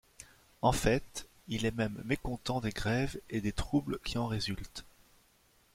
En fait, il est même mécontent des grèves et des troubles qui en résultent.